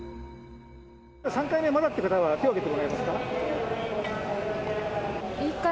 ３回目、まだって方は手を挙げてもらえますか？